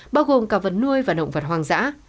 bao gồm cả vật nuôi và động vật hoang dã